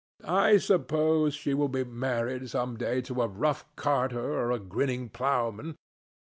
I suppose she will be married some day to a rough carter or a grinning ploughman.